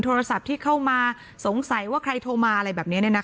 โทรศัพท์ที่เข้ามาสงสัยว่าใครโทรมาอะไรแบบเนี้ยเนี้ยนะคะ